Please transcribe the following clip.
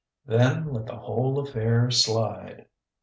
"Then let the whole affair slide."